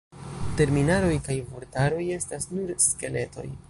Terminaroj kaj vortaroj estas nur skeletoj.